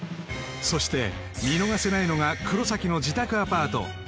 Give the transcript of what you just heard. そして見逃せないのが黒崎の自宅アパート